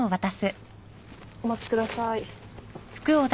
お待ちください。